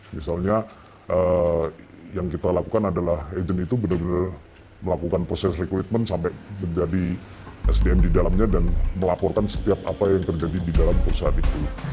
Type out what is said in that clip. misalnya yang kita lakukan adalah agent itu benar benar melakukan proses rekrutmen sampai menjadi sdm di dalamnya dan melaporkan setiap apa yang terjadi di dalam perusahaan itu